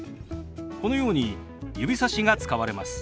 このように指さしが使われます。